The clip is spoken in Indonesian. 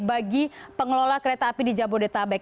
bagi pengelola kereta api di jabodetabek